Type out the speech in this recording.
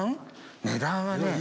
値段はね。